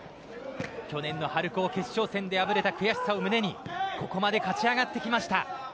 去年の春高決勝戦で敗れた悔しさを胸にここまで勝ち上がってきました。